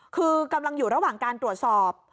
คือกำลังอยู่ระหว่างการตรวจสอบ